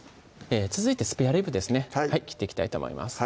続いてスペアリブですね切っていきたいと思います